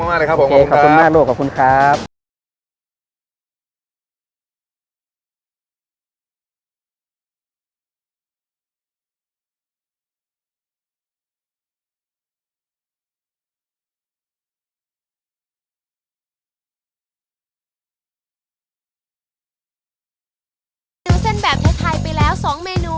อ่าโอเควันนี้ต้องขอบคุณคุณลุงมากเลยครับผม